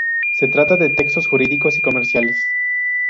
Se trata de textos jurídicos y comerciales.